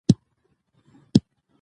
ښه تربیه د ښه راتلونکي تضمین دی.